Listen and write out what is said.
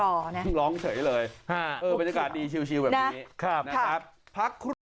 ร้องเฉยเลยบรรยากาศชิลป์แบบนี้